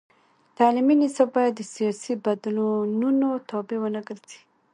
تعلیمي نصاب باید د سیاسي بدلونونو تابع ونه ګرځي.